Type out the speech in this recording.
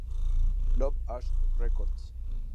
Loop Ash Records